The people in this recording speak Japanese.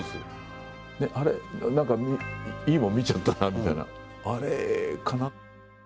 あれ、なんか、いいもん見ちゃったなみたいな、あれかな。